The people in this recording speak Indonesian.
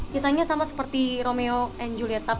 kisahnya sama seperti romeo and juliet